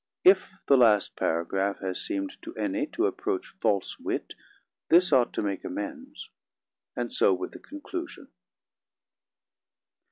If the last paragraph has seemed to any to approach 'False Wit' this ought to make amends. And so with the conclusion.